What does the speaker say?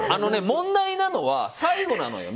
問題なのは、最後なのよ